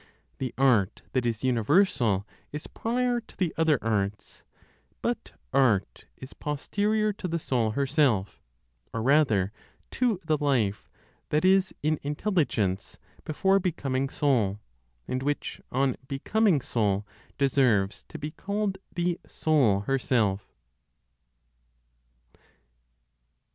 The Art that is universal is prior to the other arts; but Art is posterior to the Soul herself, or rather, to the life that is in Intelligence before becoming soul, and which, on becoming soul, deserves to be called the Soul herself.